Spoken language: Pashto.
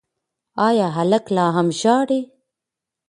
ایا هلک لا هم ژاړي؟